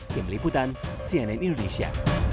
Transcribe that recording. tim liputan cnn indonesia